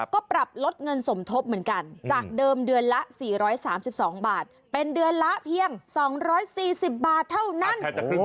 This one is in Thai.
ก็ปรับลดเงินสมทบเหมือนกันจากเดิมเดือนละ๔๓๒บาทเป็นเดือนละเพียง๒๔๐บาทเท่านั้น